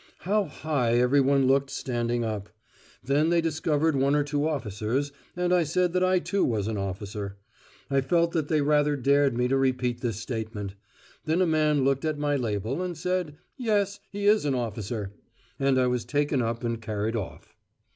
How high everyone looked standing up. Then they discovered one or two officers, and I said that I too was an officer. I felt that they rather dared me to repeat this statement. Then a man looked at my label, and said: "Yes, he is an officer." And I was taken up and carried off.